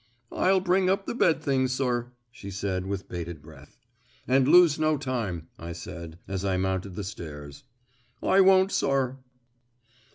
"I'll bring up the bed things, sir," she said, with bated breath. "And lose no time," I said, as I mounted the stairs. "I won't, sir."